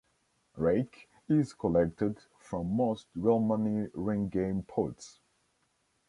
Rake is collected from most real money ring game pots.